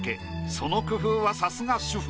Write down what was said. その工夫はさすが主婦。